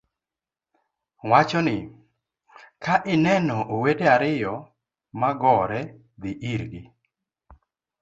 Wacho ni, "ka ineno owete ariyo ma gore, dhi irgi,